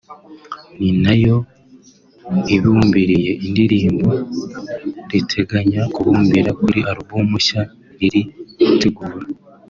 ni nayo ibimburiye indirimbo riteganya kubumbira kuri album nshya riri gutegura